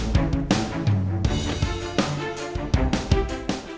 terima kasih mak